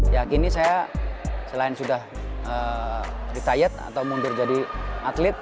ya kini saya selain sudah retiet atau mundur jadi atlet